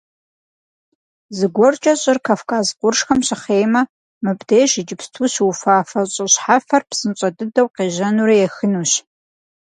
Зыгуэркӏэ щӏыр Кавказ къуршхэм щыхъеймэ, мыбдеж иджыпсту щыуфафэ щӏы щхьэфэр псынщӏэ дыдэу къежьэнурэ ехынущ.